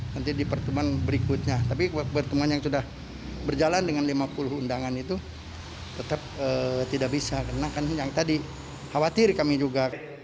nanti di pertemuan berikutnya tapi pertemuan yang sudah berjalan dengan lima puluh undangan itu tetap tidak bisa karena kan yang tadi khawatir kami juga